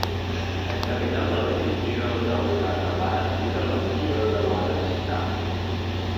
És capital de la Divisió d'Aurangabad i de la regió de Maharashta.